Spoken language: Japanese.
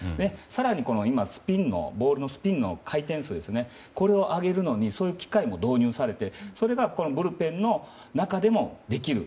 更に今、ボールのスピン回転数もこれを上げるのにそういう機械も導入されてブルペンの中でもできる。